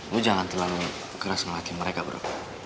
lo jangan terlalu keras ngelatih mereka bro